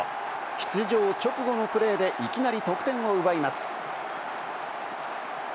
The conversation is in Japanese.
出場直後のプレーでいきなり得点を奪います。